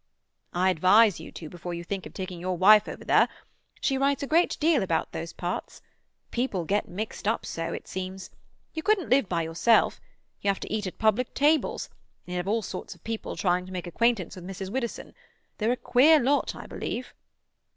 "I advise you to before you think of taking your wife over there. She writes a great deal about those parts. People get mixed up so, it seems. You couldn't live by yourself. You have to eat at public tables, and you'd have all sorts of people trying to make acquaintance with Mrs. Widdowson. They're a queer lot, I believe."